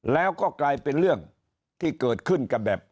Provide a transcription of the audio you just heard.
แล้วก็กลายเป็นเรื่องที่เกิดขึ้นกับแบบ